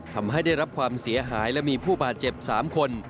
ทำให้ได้รับความเสียหายและมีผู้บาดเจ็บ๓คน